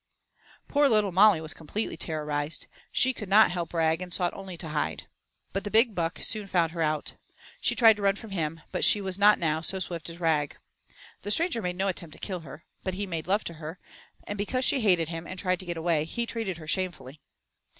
Poor little Molly was completely terrorized; she could not help Rag and sought only to hide. But the big buck soon found her out. She tried to run from him, but she was not now so swift as Rag. The stranger made no attempt to kill her, but he made love to her, and because she hated him and tried to get away, he treated her shamefully.